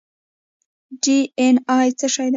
ډي این اې څه شی دی؟